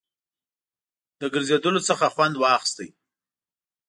له ګرځېدلو څخه خوند واخیست.